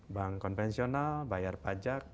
bank konvensional bayar pajak